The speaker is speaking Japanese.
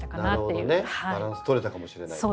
バランス取れたかもしれないと。